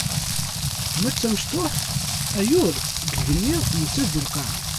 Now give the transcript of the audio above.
Ma d tamecṭuḥt, ayyur deg yigenni, nettat di lqaɛa.